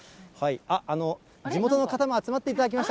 あっ、地元の方も集まっていただきました。